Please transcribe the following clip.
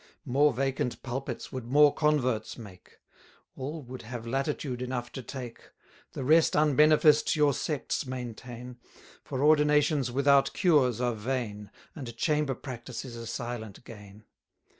More vacant pulpits would more converts make; All would have latitude enough to take: The rest unbeneficed your sects maintain; For ordinations without cures are vain, And chamber practice is a silent gain.